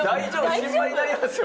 心配になりますよ。